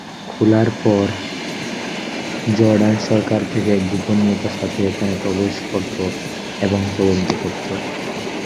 খোলার পর জর্ডান সরকার থেকে গোপনীয়তার সাথে এখানে প্রবেশ করত এবং তদন্ত করত।